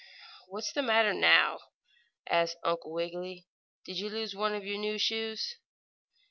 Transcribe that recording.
"What's the matter now?" asked Uncle Wiggily. "Did you lose one of your new shoes?"